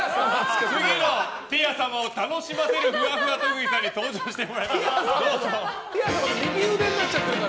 次の、ティア様を楽しませるふわふわ特技さんに登場してもらいましょう。